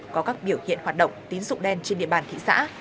có các biểu hiện hoạt động tín dụng đen trên địa bàn thị xã